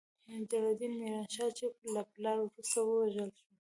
جلال الدین میران شاه، چې له پلار وروسته ووژل شو.